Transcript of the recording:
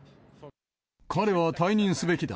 彼は退任すべきだ。